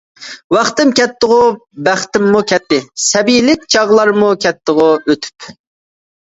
ۋاقتىم كەتتىغۇ، بەختىممۇ كەتتى، سەبىيلىك چاغلارمۇ كەتتىغۇ ئۆتۈپ.